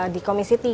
di komisi tiga